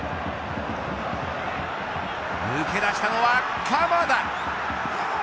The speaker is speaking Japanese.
抜け出したのは鎌田。